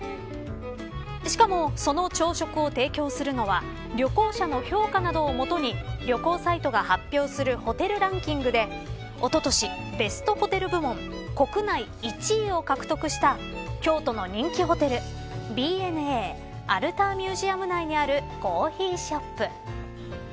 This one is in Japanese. しかも、その朝食を提供するのは旅行者の評価などを基に旅行サイトが発表するホテルランキングで今年ベストホテル部門国内１位を獲得した京都の人気ホテルＢｎＡＡｌｔｅｒＭｕｓｅｕｍ内にあるコーヒーショップ。